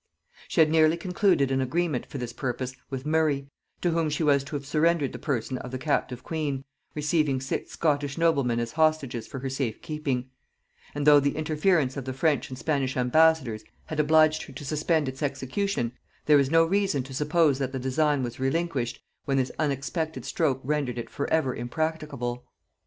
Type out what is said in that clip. She had nearly concluded an agreement for this purpose with Murray, to whom she was to have surrendered the person of the captive queen, receiving six Scottish noblemen as hostages for her safe keeping; and though the interference of the French and Spanish ambassadors had obliged her to suspend its execution, there is no reason to suppose that the design was relinquished, when this unexpected stroke rendered it for ever impracticable.